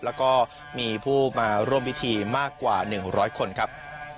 แล้วก็มีผู้มาร่วมพิธีมากกว่า๑๐๐คนครับ